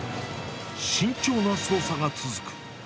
慎重な操作が続く。